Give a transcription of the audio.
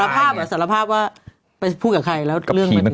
ภาพเหรอสารภาพว่าไปพูดกับใครแล้วเรื่องมัน